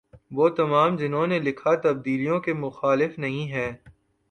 وہ تمام جنہوں نے لکھا تبدیلیوں کے مخالف نہیں ہیں